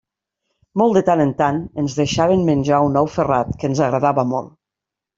Molt de tant en tant ens deixaven menjar un ou ferrat, que ens agradava molt.